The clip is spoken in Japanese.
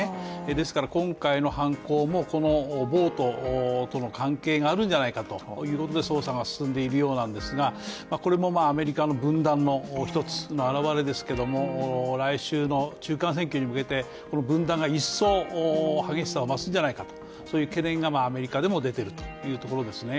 ですから今回の犯行も、この暴徒との関係があるんじゃないかということで捜査が進んでいるようなんですが、これもアメリカの分断の一つの表れですけども、来週の中間選挙に向けて、この分断が一層激しさを増すんじゃないか、そういう懸念がアメリカでも出てるということですね。